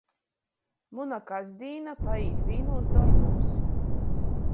Muna kasdīna paīt vīnūs dorbūs.